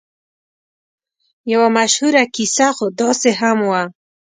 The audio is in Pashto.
یوه مشهوره کیسه خو داسې هم وه.